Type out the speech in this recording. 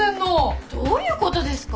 どういうことですか？